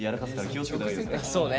そうね。